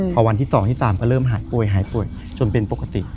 พอวันที่๒๓ก็เริ่มหายป่วยจนเป็นปกติ